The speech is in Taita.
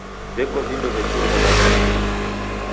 Veko vindo vechuria bagha m'mbinyi.